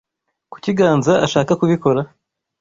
Kuki Ganza ashaka kubikora?